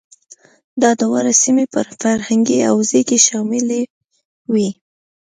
دا دواړه سیمې په فرهنګي حوزه کې شاملې وې.